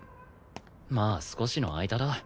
まあ少しの間だ